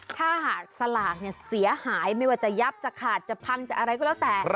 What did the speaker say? ถ้าหากสลากเสียหายไม่ว่าจะยับจะขาดจะพังจะอะไรก็แล้วแต่